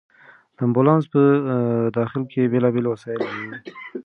د امبولانس په داخل کې بېلابېل وسایل وو.